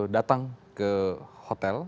datang ke hotel